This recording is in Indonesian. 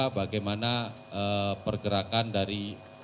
bagaimana pergerakan dari